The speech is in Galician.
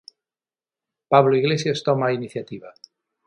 Pablo Iglesias toma a iniciativa.